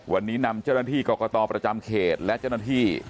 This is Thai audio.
วันนี้นำเจ้าหน้าที่กรกตประจำเขตและเจ้าหน้าที่